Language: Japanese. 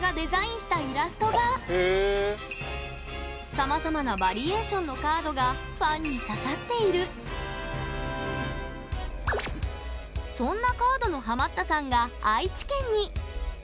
さまざまなバリエーションのカードがファンに刺さっているそんなカードのハマったさんが愛知県に。